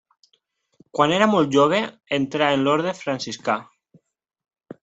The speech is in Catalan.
Quan era molt jove, entrà en l'orde franciscà.